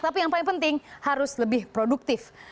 tapi yang paling penting harus lebih produktif